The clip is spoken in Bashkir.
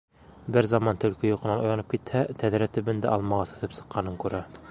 Бер заман Төлкө йоҡоһонан уянып китһә, тәҙрә төбөндә алмағас үҫеп сыҡҡанын күрә.